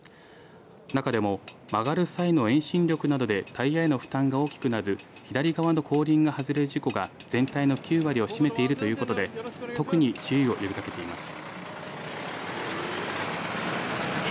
中でも曲がる際の遠心力などでタイヤへの負担が大きくなる左側の後輪が外れる事故が全体の９割を占めているということで特に注意を呼びかけています。